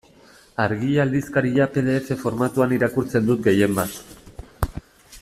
Argia aldizkaria pe de efe formatuan irakurtzen dut gehienbat.